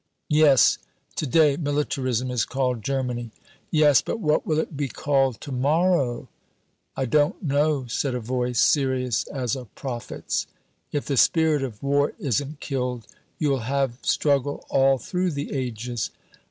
"Yes. To day militarism is called Germany." "Yes, but what will it be called to morrow?" "I don't know," said a voice serious as a prophet's. "If the spirit of war isn't killed, you'll have struggle all through the ages."